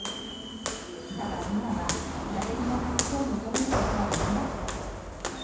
だがミアは、誰にも助けを求めることができなかった。